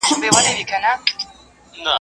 تاریخي جګړو نړۍ بدله کړه